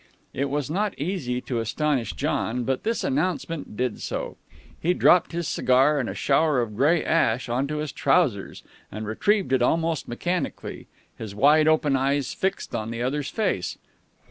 It was not easy to astonish John, but this announcement did so. He dropped his cigar in a shower of gray ash on to his trousers, and retrieved it almost mechanically, his wide open eyes fixed on the other's face.